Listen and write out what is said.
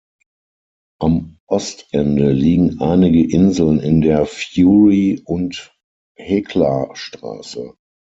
Am Ostende liegen einige Inseln in der Fury-und-Hecla-Straße.